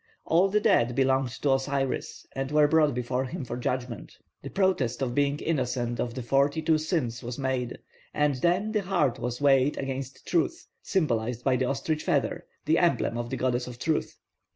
All the dead belonged to Osiris and were brought before him for judgment. The protest of being innocent of the forty two sins was made, and then the heart was weighed against truth, symbolised by the ostrich feather, the emblem of the goddess of truth.